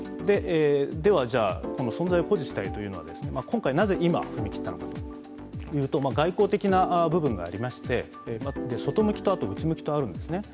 では、この存在を誇示したいというのはなぜ、今回踏み切ったのかというと外交的部分がありまして外向きと内向きとあるんですね。